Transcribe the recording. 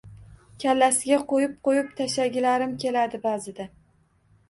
Kallasiga qo'yib qo'yib tashagilarim keladi ba'zida.